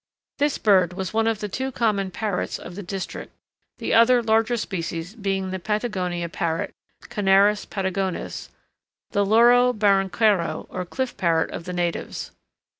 This bird was one of the two common parrots of the district, the other larger species being the Patagonian parrot, Conarus patagonus, the Loro barranquero or Cliff Parrot of the natives.